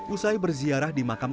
usai berziarah di makam